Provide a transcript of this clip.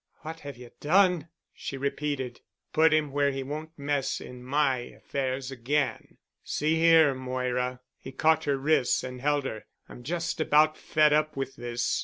"What have you done?" she repeated. "Put him where he won't mess in my affairs again. See here, Moira," he caught her wrists and held her, "I'm just about fed up with this.